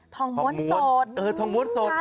ทองม้วนสด